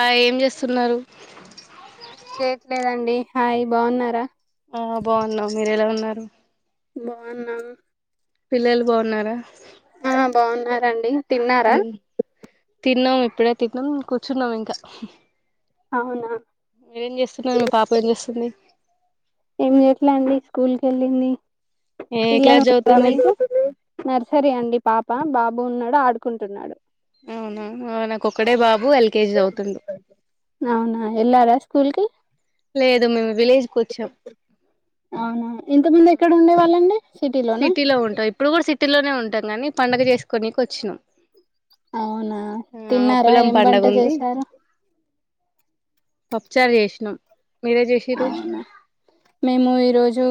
ఆ ఏం చేస్సున్నరు. ఏం చేయట్లేదండి హాయ్ బాఉన్నారా. ఆ బావున్నాం మీరెలా ఉన్నారు. బావున్నం. పిల్లలు బాఉన్నారా. ఆ బాఉన్నారండి. తిన్నారా తిన్నావ్ ఇప్పుడే తిన్నాం కూచ్చున్నం ఇంకా అవునా మీరేం చేస్సున్నారు మి పాప ఏం చేస్సుంది. ఏం జెట్ల అండి స్కూల్ కెళ్ళింది. ఏ పిల్లలు క్లాస్ ఉ రా చదువుతుంది మీకు నర్సరీ అండి పాప బా బొన్నాడు ఆడుకుంటున్నాడు. అవునా అ నాకు ఒక్కడే బా బు ఎల్కేజి జవుతుండు. అవునా ఎల్లెరా స్కూల్కి లేదు మేమే అవునా ఇంతముందు ఎక్కడ ఉండేవాళ్ళండి. సిటీలో ఉంటం ఇప్పుడు కూడా సిటీలోనే ఉంటాం గానీ పండగ చేస్కోనికి వచ్చ్నం. అవునా తిన్నారా ఏం వంట జెశారు. పప్ చ్చార్ చేస్నం. అవునా మేము ఈరోజు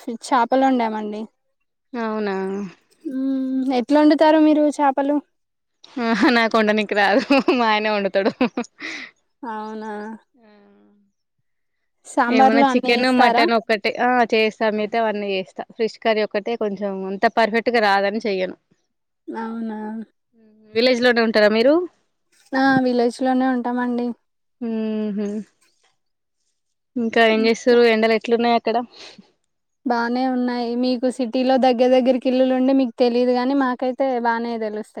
స్ చ్చేపలు వండా మండి. అవునా ఆ నెట్ల వండుతారు మీరు చేపలు ఆహ నాక్ వొండనికి రాదు, మ య్న వండుతడు. అవునా సాంబార్ ఏమన్నా లో అన్ని చికెను, వేస్తారా మటన్ ఒక్కటె ఆ చేస్ సమేత అవన్నీ ఏస్తా ఫ్రిష్ కర్రీ ఒక్కటే కొంచెం అంత పర్ఫెట్ట్ గ రాదని చెయ్యను. నౌవ్ నా విలేజ్ లోనే ఉంటారా మీరు ఆ విలేజ్ లోనే ఉంటామండి. ఉహు ఇంకా ఏం జెస్సరు ఎండలు ఎట్లున్నయ్ ఇక్కడ బాగానే ఉన్నాయి మీకు సిటీలో దగ్గర దగ్గర కిల్లులు ఉండే మీకు తెలీదు గాని మాకైతే బాగానే తెలుస్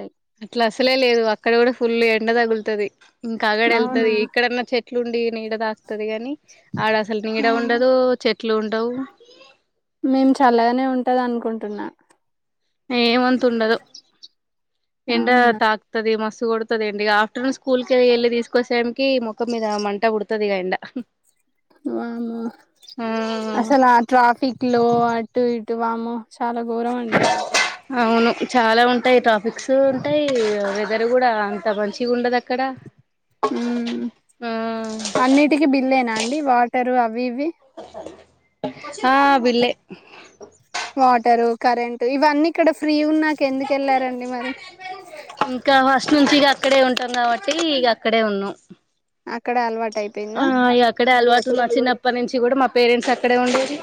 అట్ల అసలే లేదు అక్కడ కూడా ఫుల్ ఎండ తగులుతది ఇంక అగడ్ అవునా ఎళ్తది ఇక్కడన్న చెట్ ఇట్లుండి నీడ దాక్ తది గని ఆడ అసలు నీడ అవునా ఉండదు చెట్ ఎట్లుంటవ్ మేము చల్లగనే ఉంటది అనుకుంటున్నా ఏమంత ఉండదు ఎండ అవునా తాక్తది మస్ కొడుతది ఎండ ఇగ ఆఫ్టర్నూన్ స్కూల్ కి ఎళ్ళి తీసుకొసాంకి మొఖం మీద మంట పుడుతది ఇగ ఎండ వామ్మో ఆ అసలు ఆ ట్రాఫిక్ లో అట్ టు ఇటు వామ్మో చాలా గోరం అండి ఇది అయితే అవును చాలా ఉంటాయి ట్రాఫిక్స్ ఉంటాయి వెదర్ కూడా అంత మంచిగ ఉండదు అక్కడ ఊ ఆ అన్నిటికి బిల్లేేనా అండి వాటరు అవి ఇవి ఆ బిల్లే వాటరు కరెంటు ఇవన్నీ ఇక్కడ ఫ్రీ ఉన్నాక ఎందు కెళ్ళారండి మరి ఇంకా ఫస్ట్ నుంచి ఇగ అక్కడే ఉంటాం కాబట్టి ఇగ అక్కడే ఉన్నాం అక్కడ అలవాటు ఆ అయిపోయిందా ఇగ అక్కడే అలవాటు నా చిన్నప్పటి నుంచి కూడా మా పేరెంట్స్ అక్కడే ఉండేది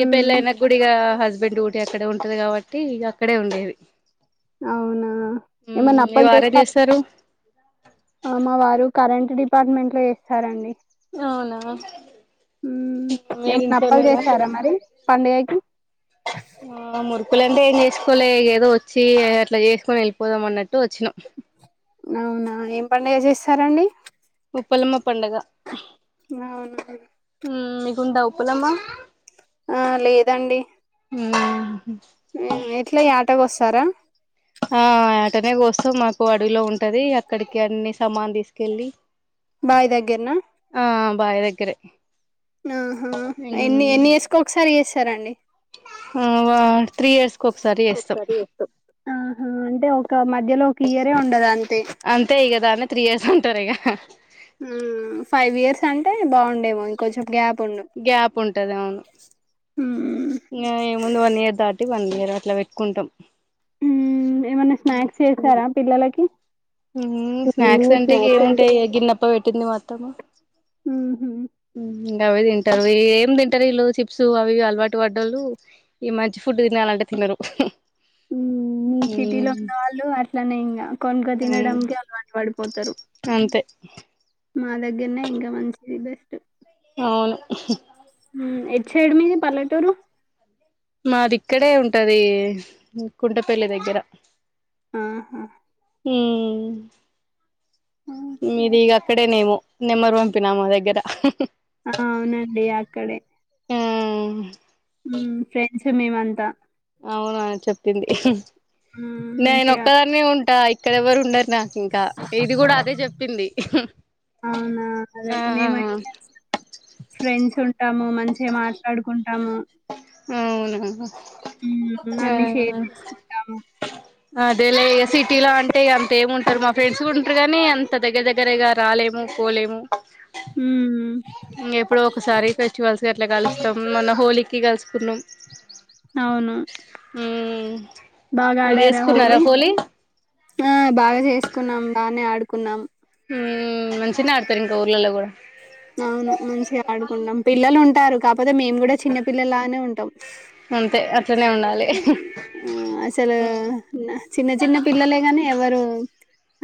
ఇ పెళ్ళ అయిన గుడ ఇగ హస్బెండ్ డ్యూటీ అక్కడే ఉంటది కాబట్టి ఇగ అక్కడే ఉండేది అవునా ఏమన్నా ఈ అప్పలు వారేం చేస్తా చేస్తారు ఆ మా వారు కరెంటు డిపార్ట్మెంట్ లో చేస్తారండి అవునా ఊ మీరు ఏమన అప్పాలు ఇంట్లోనేనా చేసారా మరి పండుగకి ప్పులంటే ఏం చేసుకోలే ఏదో వచ్చి అట్లా చేసుకొని వెళ్ళిపోదాం అన్నట్టు వచ్చినాం అవునా ఏం పండగ చేస్తారండి ఉప్పలమ్మ పండగ అవునవును ఊ మీగుండ ఉప్పలమ్మ ఆ లేదండి ఊ ఊ ఎట్ల ఆడ్ ట్ట కోసారా ఆ యాటనే కోస్తాం మాకు అడవిలో ఉంటది అక్కడికి అన్ని సామాన్ తీసుకెళ్ళి బాయి దగ్గరనా ఆ బాయి దగ్గరే ఉహుమ్ ఎన్ని ఎన్ని ఇయర్స్ కి ఒకసారి చెస్తా సరే అండి త్రీ ఇయర్స్ కి ఒకసారి చేస్తాం ఆహా అంటే ఒక మధ్యలో ఒక ఇయరే ఉండదు అంతే టరేగా ఉమ్ ఫైవ్ ఇయర్స్ అంటే బాగుం ఏమో ఇంకొంచెం గ్యాప్ ఉండు గ్యాప్ ఉంటది అవును హ్మ్ నో ముందు వన్ ఇయర్ దాటి వన్ ఇయర్ అట్లా పెట్టుకుంటాం ఉమ్ ఏమన్నా స్నాక్స్ చేస్తారా పిల్లలకి ఉమ్ స్నాక్స్ అంటే ఏముంటాయి ఏ గినేతో పెట్ కింది మొత్తము ఊహూ ఎం తింటారే ఇళ్ళు చిప్స్ అవి అలవాటు పడోళ్ళు ఈ మంచి ఫుడ్ తినాల అంటే తినరు ఉమ్ మీ సిటీలో ఉమ్ ఉన్న వాళ్ళు అట్లానే ఇంకా కొనుక్కు తినడాంకి అలవాటు పడిపోతారు అంతే మా దగ్గరనే ఇంకా మంచిది బెస్ట్ అవును ఉమ్ ఎటు సైడు మీది పల్లెటూరు మాది ఇక్కడే ఉంటది కుండపల్లి దగ్గర ఆహా హమ్ ఓకే మీదిగా అక్కడేనేమో నంబర్ పంపినా మా దగ్గర ఆ అవునండి ఆ ఉమ్ ఫ్రెండ్స్ సో మేమంతా అవునా చెప్ప ప్పింది మ్మ్ నేన మంచిగా ఒక్కదాన్న ఉంటా ఇక్కడెవ్వరు ఉండరు నాకు ఇంకా ఇది కూడా అదే చెప్పింది అవునా అదే ఆ మేమైతే ఫ్రెండ్స్ ఉంటాము మంచిగా మాట్లాడుకుంటాము అవును మ్మ్ అన్ని షేర్ చేసుకుంటాము ఆ అదే లే అసలు. సిటీలో అంటే ఎంత ఏముంటారు మా ఫ్రెండ్స్ కూడా ఉంటారుగానీ అంత దగ్గర దగ్గరగా రాలేము పోలేము మ్మ్ ఎప్పుడో ఒకసారి అయితే సర్లే కలుస్తాం మొన్న హోలీకిి కలుసుకున్నాం అవును మ్మ్ బాగా మీరు ఆడారా చేసుకున్నారా హోలీ కున్నాం. ఉమ్ మంచిగ్నే ఆడతరు ఇంకా ఊర్లల్ల కూడా. అవును మంచిగా ఆడుకుంటాం, పిల్లలు ఉంటారు. పోతే మేము కూడ చిన్న పిల్లల్లానే ఉంటాం. అంతే అట్లనే ఉండాలి ఆ అసలు చిన్న చిన్న పిల్లలే కని ఎవరు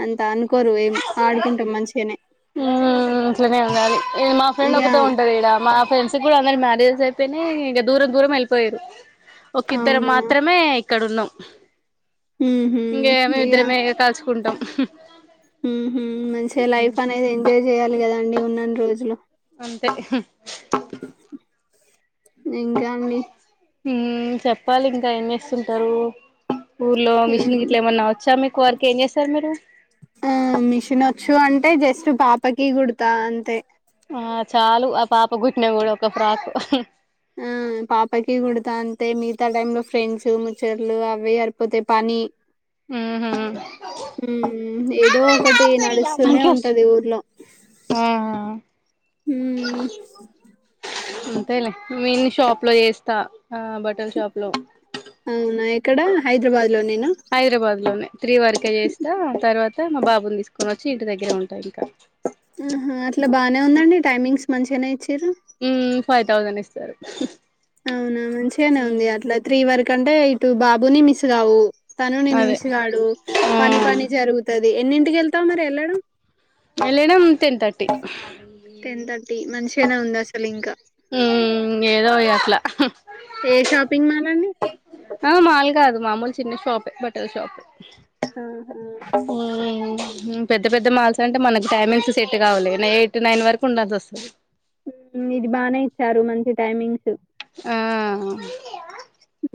అంతా అనుక్ కోరు ఏం, ఆడుకుంటాం మంచిగనే. ఉమ్, అట్లనే ఉండాలి. ఈ మా ఫ్రెండ్ ఇక ఒకతే ఉంటదీడ, మా ఫ్రెండ్స్ ప్పుడు అందరి మ్యారేజెస్ అయిపోయినయి, ఇగ దూరం దూరం వెళ్ళిపోయిర్రు. ఒక్కిద్దరు అవునా మాత్రమే ఇక్ క్కడున్నం. ఉహు ఇంగేమి ఇద్దరమేగ కల్చుకుంటాం. ఉమ్ హు, మంచిగ లైఫ్ అనేది ఎన్ జాయ్ చేయాలి కదా అండి? ఉన్నన్ని రోజులు అంతే. ఇంకా అండి? ఉమ్, చెప్పాలి ఇంకా ఎం చేస్తుంటరు? ఊర్లో, ఏం మిషిని గిట్ల ఏమన్నా వచ్చా మిక్? కొ వర్క్ ఏం చేస్తరు మీరు? ఆ మిషన్ వచ్చు అంటే, జస్ట్ పాపకి గుడతా అంతే. ఆ చాలు, ఆ పాపగ్గుట్టిన కూడ ఒక్క ఫ్రాక్. ఆ పాపకి గుడతా అంతే. మిగతా టైమ్లో ఫ్రెండ్స్, ముచ్చట్లు అవ్వే సరిపోతయి పని. ఆహ దో కటి నడుస్తూనే ఉంటది ఊర్లో. ఆ నేన్ షాప్ లో చేస్తా, ఆ బట్టల షాప్ లో. క్కడ హైదరాబాద్ లో నేనా హైదరాబాద్ లోనే త్ర్రి వరకే చేస్తా, తర్వాత్ త, మా బాబుని తీసుకొని వచ్చి ఇంటి దగ్గరే ఉంటా ఇంకా. ఉమ్ హు, అట్లా బానే ఉందండి టైమింగ్స్? మంచిగనే ఇచ్చిన్ ఉమ్, ఫైవ్ తౌసండ్ ఇస్త్ తరు అవునా! మంచిగనే ఉంది అట్ల త్రీ వరక్ కంటే ఇటు బాబుని మిస్ కావు. తను నిన్ను అదే మిస్ గాడు. పని హ్మ్ పనే జరుగుతద్ ది ఎన్నింటికిళ్తావ్ మరి ఎళ్లడం ఎల్లడం టెన్ థర్టీ టి మనిషనా ఉంద అసలు ఇంకా ఉం ఏదో ఇగ అట్లా ఏ షాపింగ్ మాల్ అండి ఆ మాలు కాదు మామూలు చిన్న షాపే బట్టల్ షాప్ ఆహా పెద్ద పెద్ద మాల్స్ అంటే మనకి టైమింగ్స్ సెట్ కావులే ఎయిట్టు నైన్ వరకు ఉండాల్సస్తది ఇది బాగానే ఇచ్చారు మంచి టైమింగ్స్ ఆ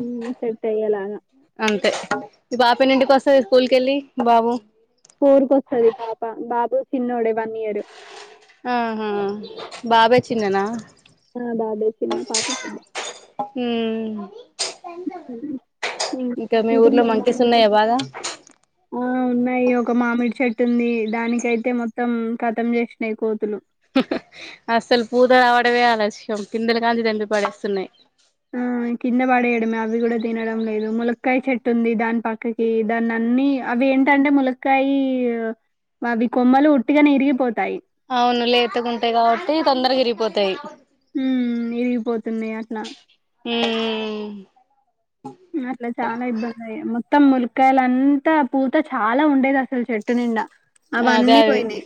ఉం సెట్ అయ్యేలాగా అంతే మీ బాపేన్నింటికి వస్తది స్కూల్ కేళ్ళి మీ బాబు ఫోరుకొస్తది పాప బాబు చిన్నోడే వన్ ఇయరు ఆహా బాబే చిన్ననా అ బాబే చిన్న పాపె పెద్ద ఉం ఉమ్. ఇం- ఇంకా మీ ఊర్లో ఇంకేంటమ్మా మంకీస్ మీకు? ఉన్నాయా బాగా ఆ ఉన్నాయి ఒక మామిడి చెట్టు ఉంది దానికయితే మొత్తం కతం చేసినయి కోతులు అసలు పూత రావడమే ఆలస్యం పిందల కాంచి దెంపి పడేస్తున్నాయ్ ఆ కింద పడేయడమే అవి కూడా తినడం లేదు ములక్కయ చెట్టు ఉంది దాని పక్కకి దాన్ని అన్నిీ అవి ఏంటంటే ములక్కయి అవి కొమ్మలు ఉట్టిగనే విరిగిపోతాయి అవును లేతగుంటాయి కాబట్టి తొందరగా విరిగిపోతయి ఉం విరిగిపోతున్నై అట్లా ఉం అట్లా చానా ఇబ్బందయే మొ త్తం ములక్కయలంతా పూత చాలా ఉండేది అసలు చెట్టు నిండా అదే అవన్నీ అది పోయినాయి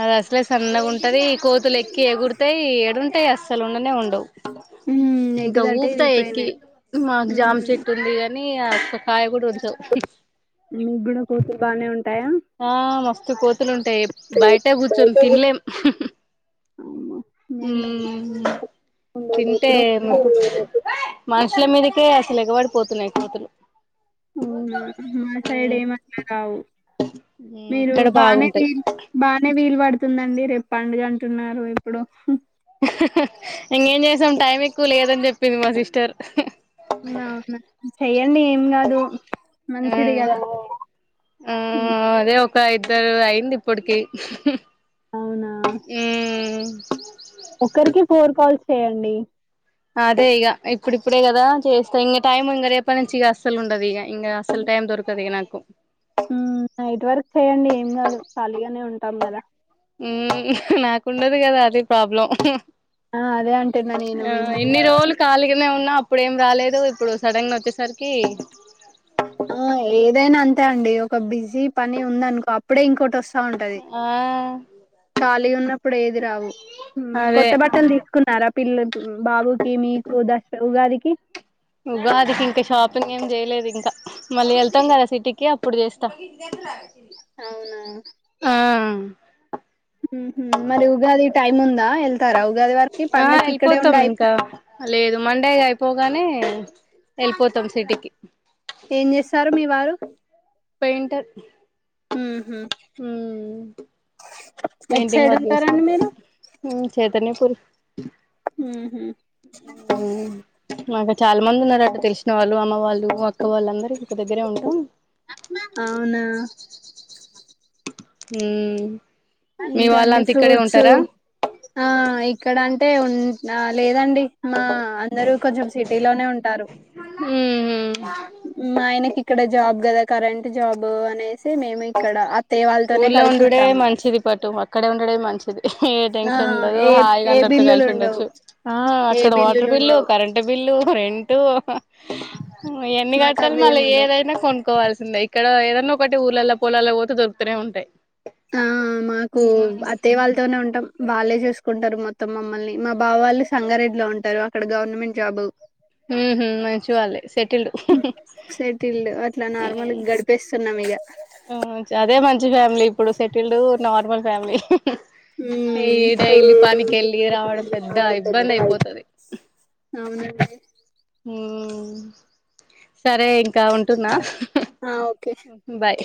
అది అసలే సన్నగా ఉంటది కోతులు ఎక్కి ఎగురుతై ఏడుంటాయి అస లుండనే ఉండవ్ ఉమ్ ఎటు ఇంకా దటే ఊపుతై ఎక్కి ఇరిగిపోయినాయి మాకు జామ హ్మ్ చెట్టు ఉంది గాని ఈ గా ఒక్కకాయగుడా ఒది మీగ్గుడ కోతుల బానే ఉం ఆ మస్తు కోతులుంటాయి బయటే కూర్చొం తిన్లేమ్ అమ్మో మేము ఉం ఉండేలే తింటే ఎప్పుడో మ అవునా మనుషుల మీది కే అసల్ ఎగబడి పోతున్నాయి కోతులు అవునా మా సైడ్ ఉమ్ ఏమట్లా రావు మీరు ఇక్కడ బానే బాగుంటాయి వీల్ బానే వీలు పడుత వస్తుందండి రేపు పండుగ అంటున్నారు ఇప్పుడు ఇంకేం చేసాం టైం ఎక్కువ లేదని చెప్పింది మా సిస్టర్ వున్నా వున్నా సే అండి ఏం కాదు ఆ మంచిది కదా ఉ క ఇద్దరు అయిందిప్పటికి మ్మ్ ఒకరికి ఫోర్ కాల్స్ చేయాల్ అండి అదే ఇగ ఇప్పుడిప్పుడే గదా చేస్తా ఇంగ టైం ఇంగ రేపనుంచి ఇగ అస్సల్ గుండదు ఇగ ఇంగ అస్సలు టైం దొరకదిగ నాకు. మ్మ్ నైట్వర్ చేయండి ఏం కాదు ఖాళీగానే ఉంటాం గదా మ్మ్ నాకుండదు కదా అది ప్రాబ్లం. ఆ అదే అంటున్నా నేను ఆ మిమ్మల్ని ఇన్ని గురించి రోజులు కాలిగనే ఉన్నా అప్పుడేం రాలేదు ఇప్పుడు సడన్గా వచ్చేసరికి ఆ ఏదైనా అన్ తే అండి ఒక బిజీ పని ఉందనుకో అప్పుడే ఇంక్ కోట్ వస్తా ఉంటది. ఆ ఖాళీ ఉన్నప్పుడు ఏవి రావు ఊ అదే కొత్త బట్టలు తీసుకున్నారా? పిల్ బాబుకి మీకు దశ ఉగాది కి ఉగాదికి ఇంకా షాపింగ్ ఏమి చేయలేదు ఇంకా, మళ్ళీ వెళ్తాం కదా సిటీకి అప్పుడు చేస్తా. అవునా అ ఉ హు మరి ఉగాది టైమ్ ఉంది గా ఎళ్తారా ఉ ఆ ఎళ్ళిపోతాము ఇంకా లేదు మండేగయి పోగానే ఎళ్ళిపోతాం సిటీకి ఏం చేస్తారు మీ వారు పెయింటర్ ఉ హూ ఎటు పెయింటింగ్ సైడ్ వర్క్ ఉంటారండి మీరు చేస్తుంటారు హు చైతన్య స్కూల్ మ్మ్ హు నువ్వు చాల మందున్నారు అక్కడ. తెలిసిన వాళ్ళు, అమ్మ వాళ్ళు, అక్క వాళ్ళందరు ఒక దగ్గరే ఉంటాం. అవునా హ్మ ఇంకా అన్ని ఫ్రూట్సూ. ఆ ఇక్కడ అం టే ఉం నా లేర్ రండీ మా అందరూ కొంచెం సిటీ లోనే ఉంటారు. మా ఆయనకి ఇక్కడ జాబ్. గద కరెంట్ జాబా అనేస్ సి మేము ఇక్కడా అత్తయ్య వాళ్తోనే కలిసి ఉంటాము. మంచిది పటు క్కడ ఉండుడే మంచిది. ఏ ఆ టెన్షన్ ఉండదూ ఏ హాయిగా ఏ అందరితో బిల్లులు కలిసి ఉండవు ఉండొచ్చు. ఆ ఏ అక్కడ వాటర్ బిల్లులు బిల్లూ, ఉండవు కరెంట్ బిల్లూ. రెంటూ ఈ యన్నీ మాకు గట్టాల్, మళ్ళీ అవేమి ఉండవు ఏదైనా కొనుక్కోవాల్సిందే ఇక్ ఇక్కడా ఏదన్న ఒకటి ఊర్లల్ల పొలాల్లోక్ పోతే దొరుకతనే ఉంటయ్. ఆ మాకూ అత్తయ్ వాళ్ళతోనే ఉంటం. వాళ్ళే చూసుకుంటర్ మొత్తం మమ్మల్ని. మా బావ వాళ్ళు సంగారెడ్డిలో ఉంటరూ, అక్కడ గవర్నమెంట్ జాబు. ఊహూ మంచి వాళ్ళే సెటిల్డ్. సెటిల్డ్ అట్లా ఊ నార్మల్ గడిపేస్తున్నాం ఇక ఆ అదే మంచి ఫ్యామ్ మిలీ ఇప్పుడు సెటిల్డూ, నార్మల్ ఫ్యామిలీ. ఈ ఊ డైలీ పనికి వెళ్ళి రావడం పెద్ద ఇబ్బంది అయిపోతది అవునండి. అ హ్మ సరే ఇంకా ఉంటున్నా. ఆ ఓకే బాయ్